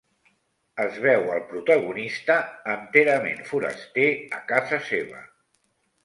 Es veu al protagonista enterament foraster a casa seva